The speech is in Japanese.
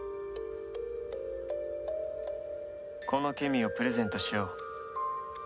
このケミーをプレゼントしよう。